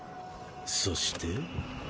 そして。